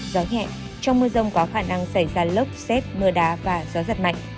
gió nhẹ trong mưa rông có khả năng xảy ra lốc xét mưa đá và gió giật mạnh